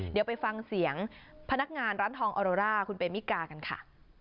เดี๋ยวไปฟังเสียงพนักงานร้านทองออโรร่าคุณเบมิกากันค่ะ